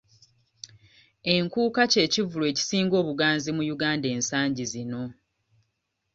Enkuuka kye kivvulu ekisinga obuganzi mu Uganda ensangi zino.